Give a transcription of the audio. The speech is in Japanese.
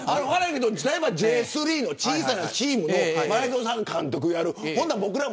例えばＪ３の小さなチームで前園さんが監督をやる。